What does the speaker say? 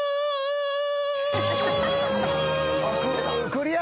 クリア。